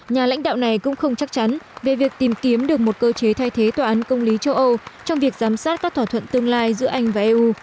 nhà lãnh đạo này cũng không chắc chắn về việc tìm kiếm được một cơ chế thay thế tòa án công lý châu âu trong việc giám sát các thỏa thuận tương lai giữa anh và eu